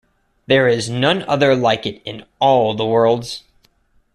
There is none other like it in "all" the worlds".